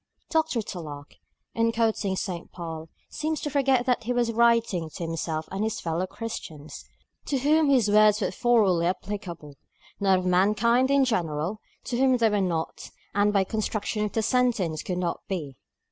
Dr. Tulloch, in quoting St. Paul, seems to forget that he was writing of himself and his fellow Christians, to whom his words were thoroughly applicable; not of mankind in general, to whom they were not, and by the construction of the sentence could not be.